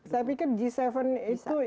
saya pikir g tujuh itu